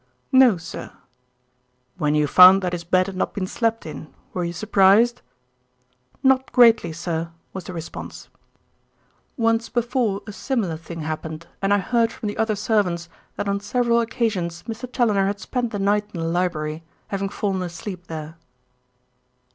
"No, sir." "When you found that his bed had not been slept in were you surprised?" "Not greatly, sir," was the response. "Once before a similar thing happened, and I heard from the other servants that on several occasions Mr. Challoner had spent the night in the library, having fallen asleep there."